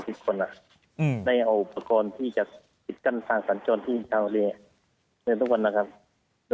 ได้เอาอุปกรณ์ที่จะปิดกั้นทางสัญจรที่ชาวโระเย